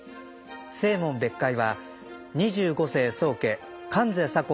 正門別会は二十五世宗家観世左近